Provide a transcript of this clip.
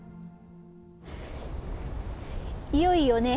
いよいよね